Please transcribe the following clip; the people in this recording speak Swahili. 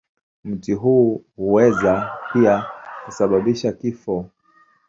Mti huu huweza pia kusababisha kifo.